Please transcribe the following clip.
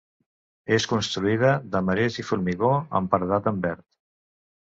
És construïda de marès i formigó, amb paredat en verd.